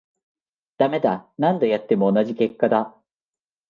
ダメだ、何度やっても同じ結果だ